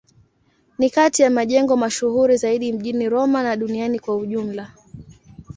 Ni kati ya majengo mashuhuri zaidi mjini Roma na duniani kwa ujumla.